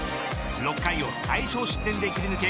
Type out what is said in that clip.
６回を最少失点で切り抜け